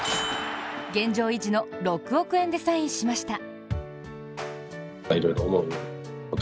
現状維持の６億円でサインしました。